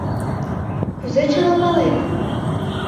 — Кузе чыла палет?